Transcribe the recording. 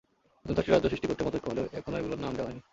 নতুন ছয়টি রাজ্য সৃষ্টি করতে মতৈক্য হলেও এখনো এগুলোর নাম দেওয়া হয়নি।